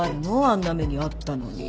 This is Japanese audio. あんな目に遭ったのに。